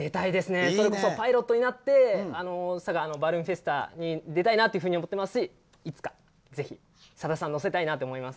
それこそパイロットになって佐賀のバルーンフェスタに出たいなと思っていますしいつかぜひ、さださんを乗せたいなって思います。